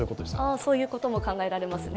そういうことも考えられますね。